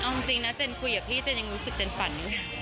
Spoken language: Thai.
ใช่ค่ะเอาจริงนะเจนคุยกับพี่เจนยังรู้สึกเจนฝัน